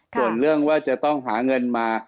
ส่วนเรื่องว่าจะต้องหาเงินมา